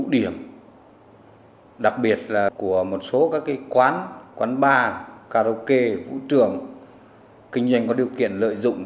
điểm đặc biệt là của một số các quán quán bar karaoke vũ trường kinh doanh có điều kiện lợi dụng